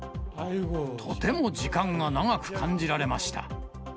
とても時間が長く感じられました。